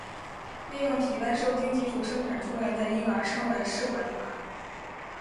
利用体外受精技术生产出来的婴儿称为试管婴儿。